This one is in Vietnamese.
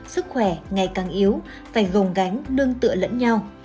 sức khỏe ngày càng yếu phải gồng gánh nương tựa lẫn nhau